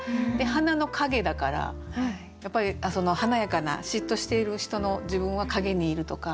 「花の陰」だからやっぱり華やかな嫉妬している人の自分は陰にいるとか。